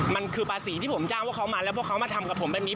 มันคือประสิทธิ์ที่ผมจ้างว่าเขามาแล้วพวกเขามาทำกับผมแบบนี้